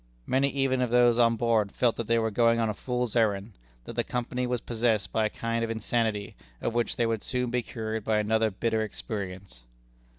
Many even of those on board felt that they were going on a fool's errand; that the Company was possessed by a kind of insanity, of which they would soon be cured by another bitter experience.